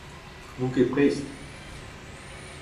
N'on ket prest.